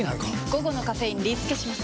午後のカフェインリスケします！